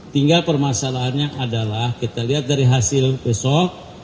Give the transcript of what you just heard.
tinggal permasalahannya adalah kita lihat dari hasil besok